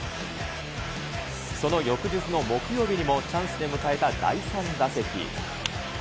その翌日の木曜日にもチャンスで迎えた第３打席。